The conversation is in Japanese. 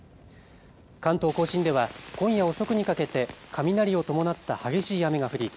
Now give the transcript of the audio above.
関東甲信では今夜遅くにかけて雷を伴った激しい雨が降り